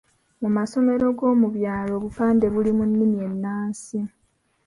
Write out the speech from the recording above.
Mu masomero g’omu byalo obupande buli mu nnimi ennansi.